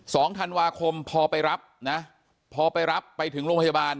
สองธันวาคมพอไปรับนะพอไปรับไปถึงโรงพยาบาล